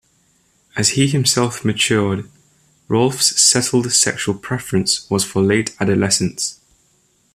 As he himself matured, Rolfe's settled sexual preference was for late adolescents.